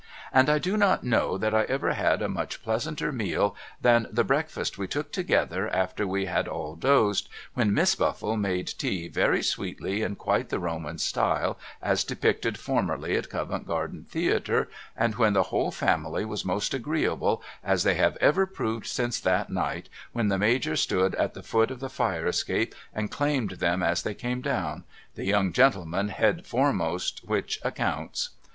And I do not know that I ever had a much pleasanter meal than the breakfast we took together after we had all dozed, when Miss Buffle made tea very sweetly in quite the Roman style as depicted formerly at Covent Garden Theatre and when the whole family was most agreeable, as they have ever proved since that night when the Major stood at the foot of the Fire Escape and claimed them as they came down — the young gentleman head foremost, which accounts.